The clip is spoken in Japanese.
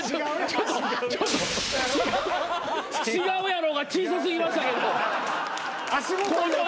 「違うやろ」が小さ過ぎましたけど向上長。